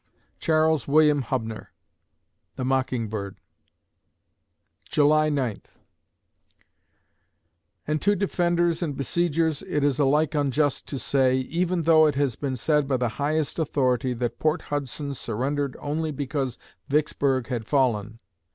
CHARLES WILLIAM HUBNER (The Mocking Bird) July Ninth And to defenders and besiegers it is alike unjust to say, even though it has been said by the highest authority, that Port Hudson surrendered only because Vicksburg had fallen.